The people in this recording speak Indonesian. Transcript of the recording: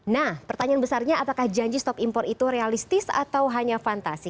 nah pertanyaan besarnya apakah janji stop impor itu realistis atau hanya fantasi